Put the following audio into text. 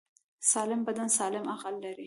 سالم بدن سالم عقل لري.